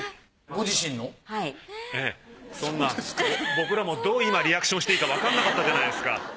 僕らもどう今リアクションしていいかわかんなかったじゃないですか。